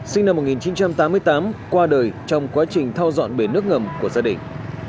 sinh năm một nghìn chín trăm tám mươi tám qua đời trong quá trình thao dọn bể nước ngầm của gia đình